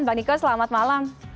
bang niko selamat malam